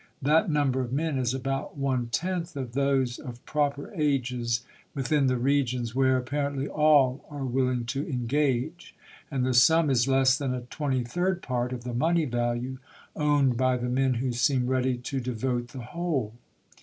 That number of men is about one 372 ABRAHAM LINCOLN Chap. XXI. tenth of those of proper ages within the regions where, apparently, all are willing to engage; and the sum is less than a twenty thii'd part of the money value owned by the men who seem ready to devote the whole.